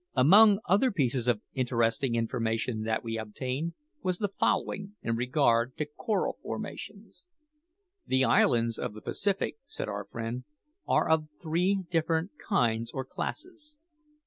Among other pieces of interesting information that we obtained was the following, in regard to coral formations: "The islands of the Pacific," said our friend, "are of three different kinds or classes.